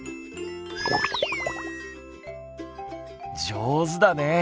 上手だね。